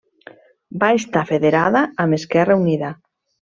Va estar federada amb Esquerra Unida.